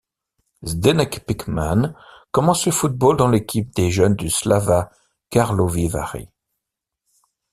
Zdeněk Pičman commence le football dans l'équipe de jeunes du Slavia Karlovy Vary.